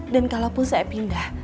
dan kalaupun saya pindah